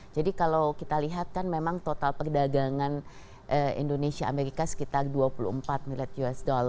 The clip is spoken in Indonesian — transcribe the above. jadi kalau kita lihat kan memang total perdagangan indonesia amerika sekitar dua puluh empat miliar usd